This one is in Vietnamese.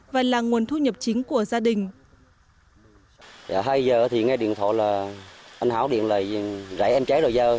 và là nguồn thu nhập chính của gia đình